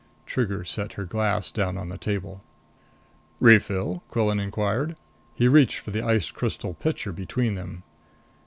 Trigger set her glass down on the table. "Refill?" Quillan inquired. He reached for the iced crystal pitcher between them.